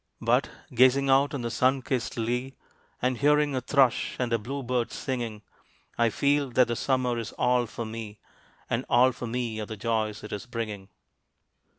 But, gazing out on the sun kist lea, And hearing a thrush and a blue bird singing, I feel that the Summer is all for me, And all for me are the joys it is bringing.